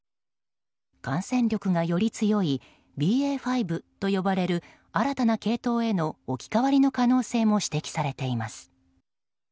感染力がより強いＢＡ．５と呼ばれる新たな系統への置き換わりの可能性も指摘されています。